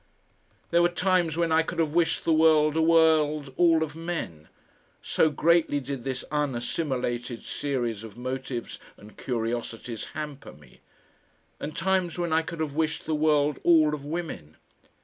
There were times when I could have wished the world a world all of men, so greatly did this unassimilated series of motives and curiosities hamper me; and times when I could have wished the world all of women.